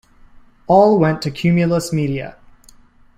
All went to Cumulus Media.